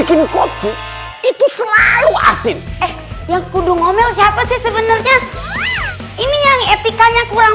itu selalu asin yang kudu ngomel siapa sih sebenarnya ini yang etikanya kurang